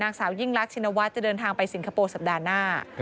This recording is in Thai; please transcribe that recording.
นางสาวยิ่งรักชินวัฒน์จะเดินทางไปสิงคโปร์สัปดาห์หน้า